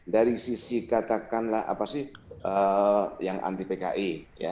dari sisi katakanlah apa sih yang anti pki